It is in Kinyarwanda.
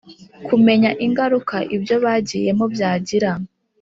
kumenya ingaruka ibyo bagiyemo byagira